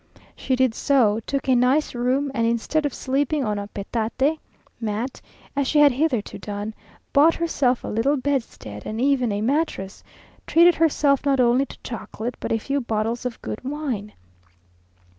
She did so; took a nice room, and instead of sleeping on a petate (mat), as she had hitherto done, bought herself a little bedstead, and even a mattress; treated herself not only to chocolate, but a few bottles of good wine!